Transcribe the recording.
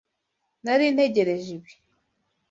Nari ntegereje ibi.